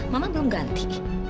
mama belum ganti